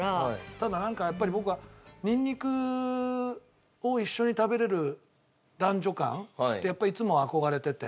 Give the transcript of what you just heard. ただなんかやっぱり僕はニンニクを一緒に食べられる男女間ってやっぱりいつも憧れてて。